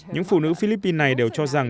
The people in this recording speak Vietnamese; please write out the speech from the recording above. những phụ nữ philippines này đều cho rằng